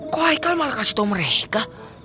kok ichael malah kasih tau mereka